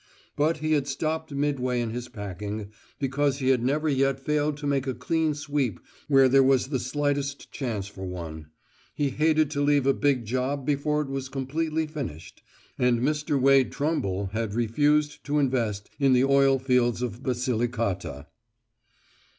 But he had stopped midway in his packing, because he had never yet failed to make a clean sweep where there was the slightest chance for one; he hated to leave a big job before it was completely finished and Mr. Wade Trumble had refused to invest in the oil fields of Basilicata.